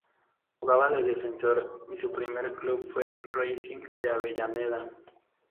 Jugaba de defensor y su primer club fue Racing de Avellaneda.